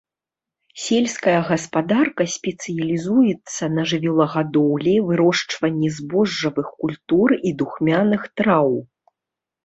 Сельская гаспадарка спецыялізуецца на жывёлагадоўлі, вырошчванні збожжавых культур і духмяных траў.